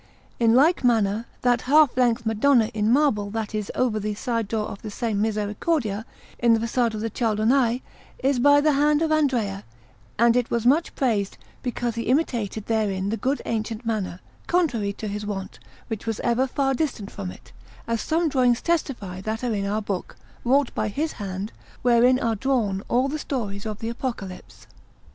In like manner, that half length Madonna in marble that is over the side door of the same Misericordia, in the façade of the Cialdonai, is by the hand of Andrea, and it was much praised, because he imitated therein the good ancient manner, contrary to his wont, which was ever far distant from it, as some drawings testify that are in our book, wrought by his hand, wherein are drawn all the stories of the Apocalypse.